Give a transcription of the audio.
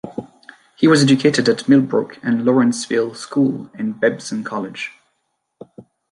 He was educated at Millbrook and Lawrenceville Schools and Babson College.